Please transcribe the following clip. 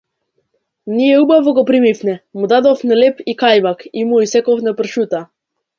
Ние убаво го примивме, му дадовме леб и кајмак и му исековме пршута.